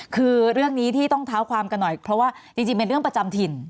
คือเรื่องนี้ที่ต้องเท้าความกันหน่อยเพราะว่าจริงเป็นเรื่องประจำถิ่น